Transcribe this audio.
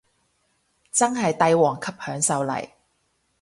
真係帝王級享受嚟